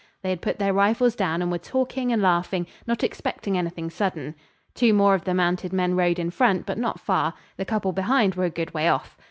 They had put their rifles down and were talking and laughing, not expecting anything sudden. Two more of the mounted men rode in front, but not far. The couple behind were a good way off.